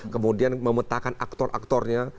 kemudian memetakan aktor aktornya